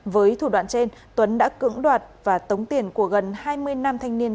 với thủ đoạn trên tuấn đã cưỡng đoạt và tống tiền của gần hai mươi nam thanh niên